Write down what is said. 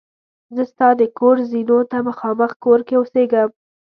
زه ستا د کور زینو ته مخامخ کور کې اوسېدم.